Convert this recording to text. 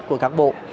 của các bộ